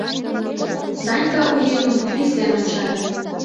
Санька у еҥым висен ончале.